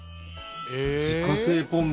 自家製ポン酢。